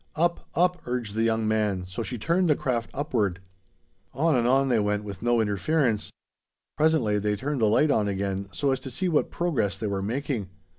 "Up! Up!" urged the young man, so she turned the craft upward. On and on they went, with no interference. Presently they turned the light on again, so as to see what progress they were making.